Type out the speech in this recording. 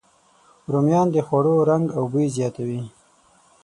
رومیان د خوړو رنګ او بوی زیاتوي